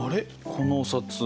このお札。